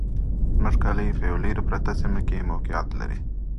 زموږ کلي په يوه لري پرته سيمه کي موقعيت لري